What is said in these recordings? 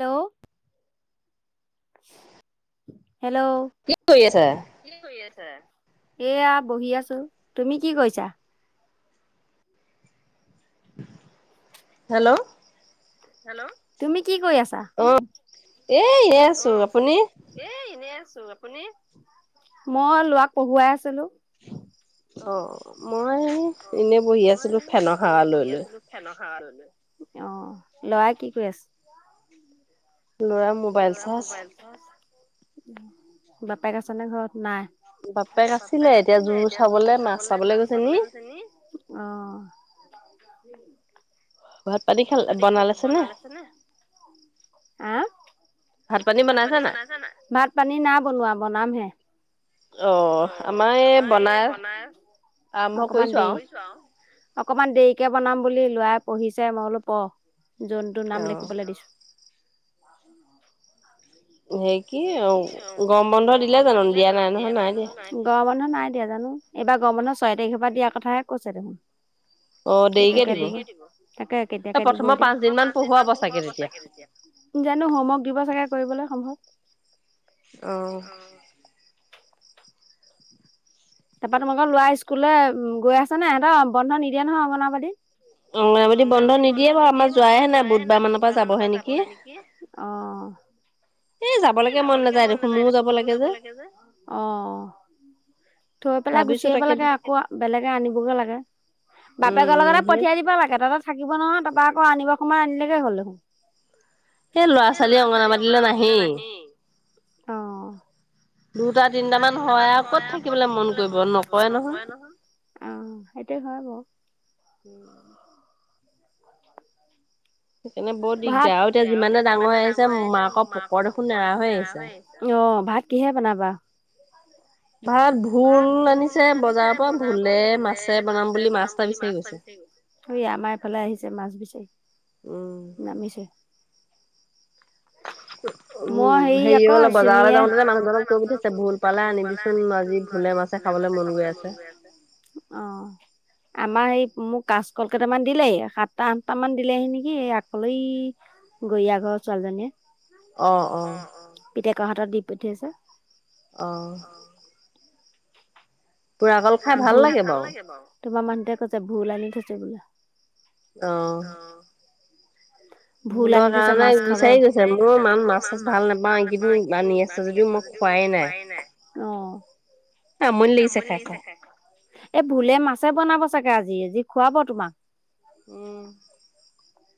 Hello. Hello. কি কৰি আছা? এয়া বহি আছো, তুমি কি কৰিছা? হেল্ল'। হেল্ল' তুমি কি কৰি আছা? অ', এই এনেই আছো, আপুনি? এ এনে আছো, আপুনি? মই ল'ৰাক পঢ়ুৱাই আছিলো। অ', মই এনেই বহি আছিলোঁ ফেনৰ হাৱা লৈ লৈ। ফেনৰ হাৱা লৈ লৈ, অ' ল'ৰাই কি কৰি আছে? ল'ৰা ল'ৰা মোবাইল চাই আছে, উম বাপেক আছেনে ঘৰত নাই? বাপেক আছিলে এতিয়া জোৰ চাবলে মাছ চাবলৈ গৈছে নেকি। অ'। [inaudible] [inaudible] ভাত পানী খালে বনাই লৈছে৷? হা! ভাত পানী বনাইছে নাই? ভাত পানী নাই বনোৱা বনাম হে। অ', আমাৰ এই বনাই আৰম্ভ কৰিছোঁ আৰু। [inaudible] অকমান দেৰিকে বনাম বুলি, ল'ৰাই পঢ়িছে মই বোলো পঢ় জন্তুৰ নাম লিখিবলৈ দিছো। [inaudible] হেৰি কি গৰম বন্ধ দিলে জানো দিয়া নাই নহয় নাই দিয়া? গৰম বন্ধ নাই দিয়া জানো এইবাৰ গৰম বন্ধ ছয় তাৰিখৰ পৰা দিয়া কথাহে কৈছে দেখোন। অ', দেৰিকে দিব? তাকে কেতিয়াকে দিব এতিয়া। প্ৰথমৰ পাঁচ দিন মান পঢ়োৱাব চাগে এতিয়া। জানো হোমৱৰ্ক দিব চাগে কৰিবলৈ সম্ভৱ। অ'। [inaudible] তাৰপৰা তোমালোকৰ ল'ৰা স্কুললৈ উম গৈ আছে নাই সিহঁতৰ বন্ধ নিদিয়ে নহয় অংগনাবাদী? অংগনাবাঢ়ী বন্ধ নিদিয়ে বাৰু আমাৰ যোৱাহে নাই বুধবাৰ মানৰ পৰা যাবহে নেকি। এহ অ, এই যাবলৈকে মন নাযায় দেখোন ময়ো যাব লাগে যে। [unintelligible] অ, থৈ পেলাই গুচি আহিব লাগে আকৌ বেলেগে আনিবগে লাগে। বাপেকৰ লগতে পঠিয়াই দিব লাগ [unintelligible] থাকিব নহয় তাৰ পৰা আকৌ আনিব সময়ত আনিলে গে হ'ল দেখোন। সে ল'ৰা-ছোৱালী অংগনবাঢ়ীলৈ নাহেই। অ', দুটা, তিনিটা মান হয় [unintelligible] ক'ত থাকিবলৈ মন কৰিব নকৰে নহয়। অ, সেইটোয়ে হয় বাৰু। উম, ভাত [unintelligible] দিগদাৰ আৰু এতিয়া যিমানে ডাঙৰ হৈ আহিছে মাকৰ পোকৰ দেখোন নেৰা হৈ আহিছে। অ, ভাত কিহে বনাবা? ভাত ভুল আনিছে বজাৰৰ পৰা ভুলে মাছে বনাম বুলি মাছ এটা বিচাৰি গৈছে। [unintelligible] আমাৰফালে আহিছে মাছ বিচাৰি নামিছে। [unintelligible] উম, হেৰি হ'লে বজাৰলৈ যাওঁতে যে মানুহজনক কৈ পঠিয়াইছে ভুল পালে আনিবিচোন আজি ভুলে মাছে ভুলে মাছে খাবলৈ মন গৈ আছে অ, আমাৰ এই মোক কাচকল কেইটামান দিলেহি সাতটা -আঠটাহ মান দিলেহি নেকি [unintelligible] গৰিয়া ঘৰৰ ছোৱালীজনীয়ে। অ', অ', পিটেকৰ হাতত দি পঠিয়াইছে। অ', পুৰা কল খাই ভাল লাগে বাৰু। তোমাৰ মানুহটোৱে কৈছে ভুল আনি থৈছো বোলে। অ', [unintelligible] ভুল আনি থৈছে মাছ খাব বিচাৰি গৈছে [unintelligible] মাছ ভাল নাপাওঁ এইকেইদিন আনি আছে যে [unintelligible] মই খুৱাই নাই অ, এ আমনি লাগিছে খাই-খাই। এই ভুলে মাছে বনাব চাগে আজি-আজি খুৱাব তোমাক।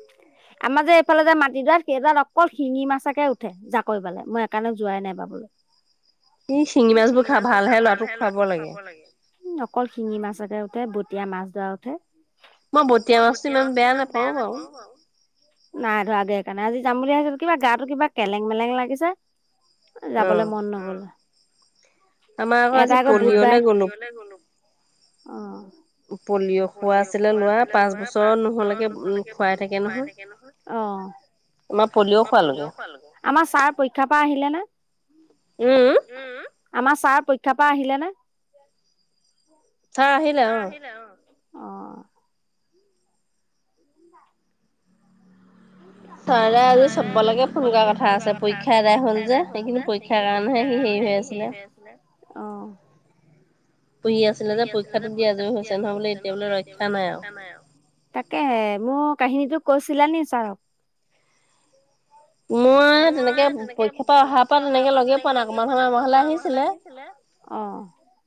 [unintelligible] আমাৰ যে এইফালে যে মাটিডৰা সেইডৰাত অকল শিঙি মাছকে উঠে জাকৈ বালে মই এ ইকাৰণে যোৱাই নাই বাবল [unintelligible] এই শিঙি মাছবোৰ খাই ভালহে ল'ৰাটোক খুৱাব লাগে। উম, অকল শিঙি মাছকে উঠে বটিয়া মাছ দৰা উঠে। মই বতীয়া মাছটো ইমান বেয়া নেপাওঁ বাৰু। [unintelligible] নাই ধৰাগে এইকাৰণে আজি যাম বুলি ভাবিছিলোঁ কিবা গাটো কিবা কেলেং মেলেং লাগিছে এ যাবলে মন নগ'ল এটাই আকৌ বুধবাৰে অ', পলিঅ' খোৱা আছিলে ল'ৰা পাঁচ বছৰ নোহোৱালৈকে খোৱাই থাকে নহয়। আমাৰ পলিঅ' খোৱালোগে। আমাৰ ছাৰ পৰীক্ষাৰ পা আহিলে নে? উম - উম আমাৰ ছাৰ পৰীক্ষা পৰা আহিলে নে? হা আহিলে অঁ। অঁ। মুটা [unintelligible] ঘৰলে আহি চবলৈকে ফোন কৰা কথা আছে পৰীক্ষা আদাই হল যে, সেইখিনি পৰীক্ষাৰ কাৰণেহে সি হেৰি হৈ আছে। অঁ। পঢ়ি আছিলে যে, পৰীক্ষাটো দি আজৰি হৈছে নহয় বোলে এতিয়া বোলে ৰক্ষা নাই আৰু। তাকেহে, মোৰ কাহিনীটো কৈছিলা নেকি ছাৰক? মই তেনেকে পৰীক্ষাৰ পৰা অহাৰ পৰা তেনেকে লগেই পোৱা নাই, অকমান সময় আমাৰ ঘৰলে আহিছিলে। অঁ,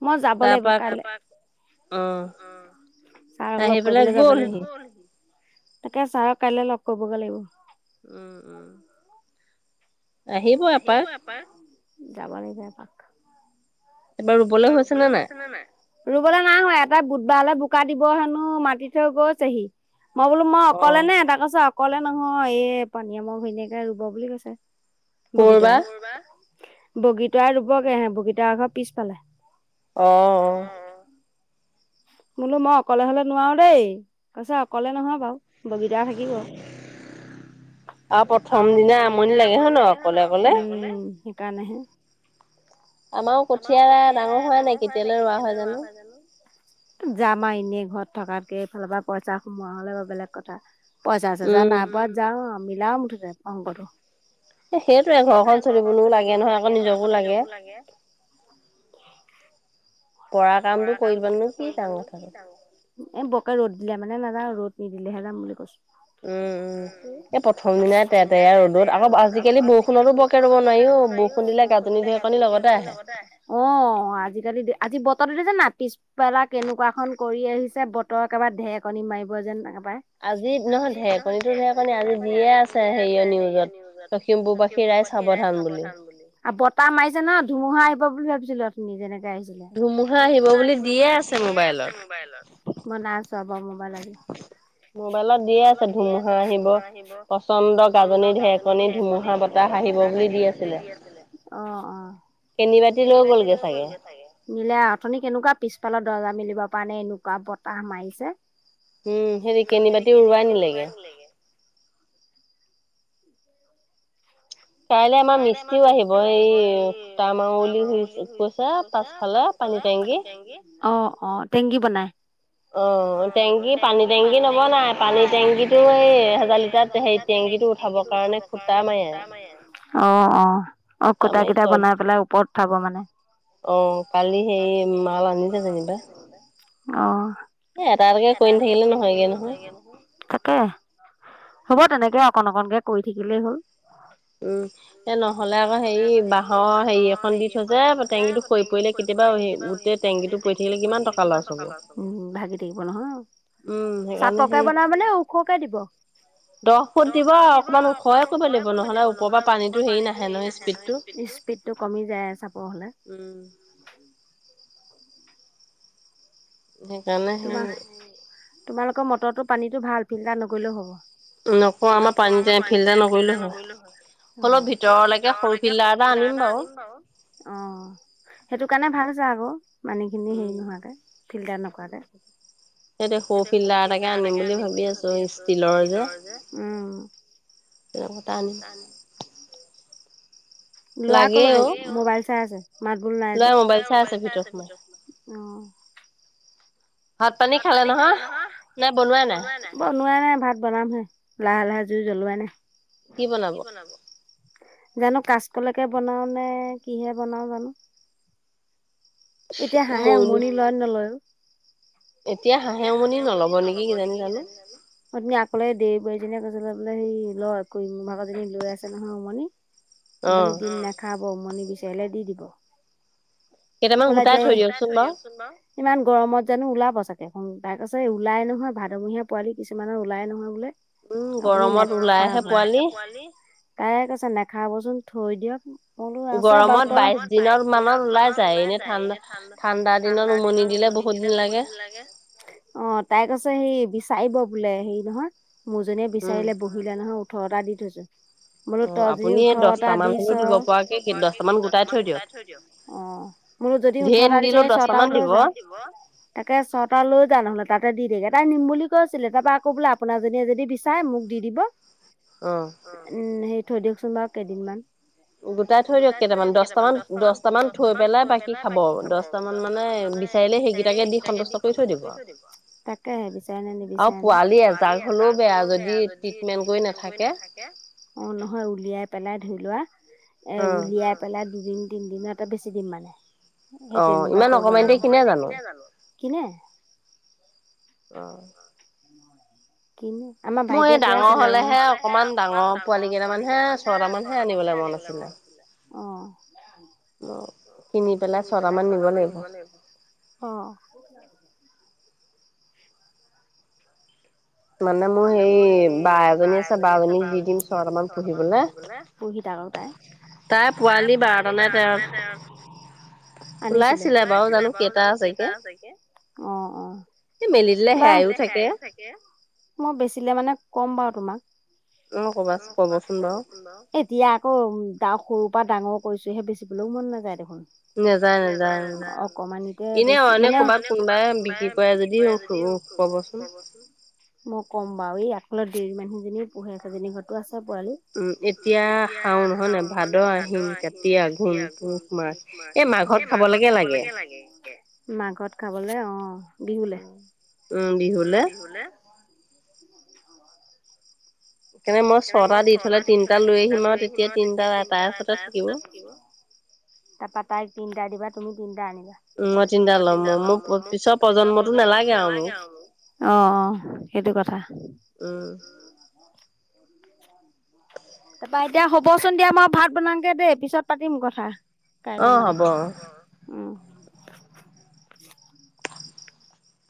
মই যাব লাগিব কাইলৈ। অ' ছাৰক লগ কৰিবলৈ যাব লাগিব। তাকে, ছাৰ কাইলে লগ কৰিবগৈ লাগিব। উম, উম। আহিব এপাক, যাব লাগিব এপাক। এইবাৰ ৰুবলৈ হৈছে নে নাই? ৰুবলৈ নাই হোৱা। এটাই বুধবাৰলে বোকা দিব হেনো মাতি থৈ গৈছেহি। মই বোলো মই অকলে নে? তাকে কৈছে অকলে নহয়, এই পানীৰামৰ ঘৈনীয়েকে ৰুব বুলি কৈছে। বগীতৰাই, বগীতৰাই ৰুবগে বগীতৰা ঘৰৰ পিছফালে। অ' বোলো মই অকলে হ'লে নোৱাৰো দেই, কৈছে অকলে নহয় বাৰু। বগিতৰা থাকিব। আৰু প্ৰথম দিনা আমনি লাগে হয় ন নহয়, অকলে অকলে। উম ই কাৰনেহে। আমাৰো কঠীয়া ডাঙৰ হয় নাই কেতিয়ালৈ ৰোৱে হয় জানো? যাম আৰু এনে ঘৰত থকাতকে, এইফালৰ পৰা পইচা সোমোৱা হ'লে বেলেগ কথা। পইচা চইচা নাই পোৱা যাওঁ আৰু মিলাও মুঠতে অংকটো। সেইটোয়ে ঘৰখন চলিবলৈও লাগে নহয়, আকৌ নিজকো লাগে। লাগে। পৰা কামটো কৰিবলৈ নো কি ডাঙৰ কথাটো। এ বকে ৰ'দ দিলে মানে নাযাওঁ, ৰ'দ নিদিলেহে যাম বুলি কৈছো। উম, উম এই প্ৰথম দিনাই তেৰ তেৰিয়া ৰ'দত, আকৌ আজিকালি বৰষু ৰনে বৰষুণ দিলেও ৰুবলে নোৱাৰি অ, বৰষুণ দিলে গাজনি টো আকৌ লগতে আহে। অ' আজি কালি, আজি বতৰতে দেখিছনে নাই। পিছ বেলা কেনেকুৱা খন কৰি আহিছে বতৰ একবাৰে ঢেৰকণী মাৰিব যেন একেবাৰে। আজি নহয় ঢেৰেকনীটো ঢেৰেকনি আজি দিয়ে আছে হেৰিয়া নিউজত। লখিমপুৰবাসী ৰাইজ সাৱধান বুলি। বতাহ মাৰিছে ন ধুমুহা আহিব বুলি ভাবিছিলো অথনি যেনেকে আহিছে ধুমুহা আহিব বুলি দিয়ে আছে মোবাইলত। মই নাই আছো বাৰু মোবাইল আজি। মোবাইলত দিয়ে আছে ধুমুহা আহিব। পচন্দ গাজনী ঢেৰেকনী ধুমুহা বত ধুমুহা বতাহ আহিব বুলি দি আছিলে। অ' অ'। কেনিবাতি লৈ গ'লগে চাগে। নিলে আৰু, অথনি কেনেকুৱা পিছফালৰ দৰ্জা মেলিব পৰা নাই এনেকুৱা বতাহ মাৰিছে। উম, হেৰি কেনিবাতি উৰুৱাই নিলেগে। কাইলৈ আমাৰ মিস্ত্ৰীও আহিব, এই খুঁটা মাৰু বুলি কৈছে পাছফালে। পানী টেংকি। অ', -অ', টেংকি বনাই? অ', টেংকি পানী টেংকি নবনাই পানী টেংকিটো এই এহেজাৰ লিটাৰ হেৰিত সেই টেঙকিটো উঠাবৰ কাৰণে খুটা মাৰে। অ', - অ', - অ', খুঁটা কেইটা বনাই পেলাই ওপৰত উঠাব মানে। অ', কালি সেই মাল আনিলে যেনিবা। অঁহ'। এ এটা এটাকে কৰি নাথাকিলে নহয়গে নহয়। তাকে, হ'ব তেনেকে অকন- অকনকে কৰি থাকিলেই হ'ল। উম, এ নহলে আকৌ হেৰি বাঁহৰ হেৰি এখন দি থৈছে, টেংকীটো খৰি পৰিলে কেতিয়াবা কৰি কেতিয়াবা গোটে টেংকীটো পৰি থাকিলে কিমান টকা লৰা লষ্ট হব। ভাগি থাকিব নহয়। উম সেইকাৰণে সেই মানে ওখকে দিব। দহ ফুট দিব অকনমান ওপৰে কৰিব লাগিব নহলে ওপৰৰ পানীটো হেৰি নাহে নহয় স্পীড টো কমি যায় চাপৰ হ'লে। উম। [unintelligible] সেইকাৰণে সেই তোমালোকৰ মটৰটো পানীটো ভাল ফিল্টাৰ নকৰিলেও হ'ব। নকৰো আমাৰ পানী ফিল্টাৰ নকৰিলেও হয়, হ'লেও ভিতৰলৈকে সৰু সৰু ফিল্টাৰ এটা আনিম বাৰু। অ', সেইটো কাৰণে ভাল চা আকৌ পানীখিনি হেৰি নোহোৱাকে ফিল্টাৰ নকৰাকে। [inaudible] [unintelligible] সৰু ফিল্টাৰ এটাকে আনিম বুলি ভাবি আছো ষ্টিলৰ যে। সেনেকুৱা এটা আনিম। [unintelligible] ল'ৰা কলৈ গ'ল মোবাইল চাই আছে, মাত বোল নাই যে মোবাইল চাই আছে ভিতৰত। ভাত-পানী খালে নহয় নে বনোৱাই নাই? বনোৱাই নাই ভাত বনামহে, লাহে লাহে জুই জ্বলোৱাই নাই। জানো কাচকলকে বনাও নে কিহে বনাও জানো? এতিয়া হাঁহে উমনি লয় নলয় অ? এতিয়া হাঁহে উমনি নলব নেকি কিজানি জানো। অথনি আকলে দেউৰী বোৱাৰীজনীয়ে কৈছিলে বোলে সেই লয় কৰি মোৰ ভাগৰজনী লৈ আছে নহয় উমনি। আপুনি দিম নাখাব উমনি বিচাৰিলে দি দিব। [unintelligible] ইমান গৰমত জানো ওলাব চাগে, তাই কৈছে এই ওলাই নহয় ভাদমহীয়া পোৱালি কিছুমান ওলাই নহয় বোলে। আপুনি নেখাব। তাই কৈছে নাখাবচোন থৈ দিয়ক। গৰমত বাইশ দিনৰ মানত ওলাই যায় এনে ঠাণ্ডা, ঠাণ্ডা দিনত উমনি দিলে বহুত দিন লাগে। অ', তাই কৈছে সেই বিচাৰিব বোলে হেৰি নহয়, মোৰজনীয়ে বিচাৰিলে ব উঠিলে নহয় ওঠৰটা দি থৈছে। বোলো তই জি ওঠৰটা দিছ [unintelligible] দহটামান গোটাই থৈ দিয়ক অ'। মোৰো যদি ওঠৰটা দিছে ছয়টা ওলাই যায়। তাকে ছটা লৈ যা নহলে তাতে দি দে এটাই নিম বুলি কৈছিলে তাপা আকৌ বোলে আপোনাৰ জনীয়ে যদি বিচাৰে মোক দি দিব। [inaudible] অঁ' উম' সেই থৈ দিয়কচোন বাৰু কেইদিনমান। গোটাই থৈ দিয়ক কেইটামান দশটা মান দশটা মান থৈ পেলাই- থৈ পেলাই বাকী খাব, দশটা মানে বিচাৰিলে সেইকেইটাকে দি সন্তুষ্ট কৰি থৈ দিব। তাক- কেহে বিচাৰে নে নিবিচাৰে নে? আও পোৱালি এজাক হলেও বেয়া যদি ট্ৰিটমেন্ট কৰি নাথাকে। অঁ নহয় উলিয়াই পেলাই ধুই লোৱা, এ উলিয়াই- পেলাই দুদিন তিনদিনতে বেছি দিম মানে। সেই তেনেকুৱা কৰিব লাগে, অ' ইমান অকনমানিতে কিনে জানো? কিনে। অঁ' কিনে আমাৰ ভাইটিয়ে কৈ আছিলে। ডাঙৰ পোৱালি কেইটামানহে ছটা মানহে আনিবলে মন আছিলে। ময়ো কিনি পেলাই ছটামান নিব লাগিব। অঁ' মানে মো হেই বা এজনী আছে বা জনীক দি দিম ছটামান পুহিবলে। পুহি থাকক তাই। তাইৰ পোৱালি বাৰটা নে তেৰটা- আনিছিলে, ওলাইছিলে বাৰু জানো কেইটা আছেগে, অঁ, অঁ। বাহ মই বেচিলে মানে কম বাৰু তোমাক। অঁ ক'বাচোন, ক'বচোন বাৰু। এতিয়া আকৌ তাক সৰুৰ পৰা ডাঙৰ কৰিছোহে বেচিবলৈও মন নেযাই দেখোন। নেযায়, নেযায়। অকমানিতে বেছি এনেই মানে ক'বাত কোনোবাই বিক্ৰী কৰে যদিও- ক'বচোন। মই ক'ম বাৰু, এই আগফালত দেউৰী মানুহজনী পোহে, সেইজনী ঘৰটো আছে পোৱালি। উম, এতিয়া শাওন, হয় নাই। ভাদ-আহিন, কতি-আঘোন, পুহ-মাঘ। এই মাঘত খাবলেকে লাগে, মাঘত খাবলে অঁ' বিহুলে। উম, বিহুলে। সেইকাৰণে মই ছটা দি থলে তিনটা লৈ আহিম আৰু, তেতিয়া তিনটা তাই ওচতে থাকিব। তাপা তাইক তিনিটা দিবা, তুমি তিনিটা আনিবা? মই তিনিটা লম উম' মোক পিছৰ প্ৰজন্মতো নালাগে আৰু মোক, অঁ'। সেইটো কথা। উম' [unintelligible] তাপা এতিয়া হ'বচোন দিয়া, মই ভাত বনাংগে দেই, পিছত পাতিম কথা। কাইলে মানে, অঁ হ'ব অঁ, উম।